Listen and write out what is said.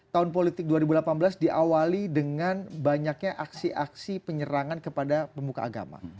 tahun politik dua ribu delapan belas diawali dengan banyaknya aksi aksi penyerangan kepada pemuka agama